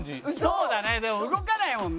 そうだねでも動かないもんね。